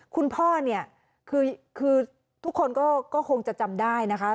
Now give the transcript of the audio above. คุณพ่อเนี่ยคือทุกคนก็คงจะจำได้นะคะ